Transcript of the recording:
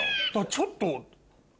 ちょっと。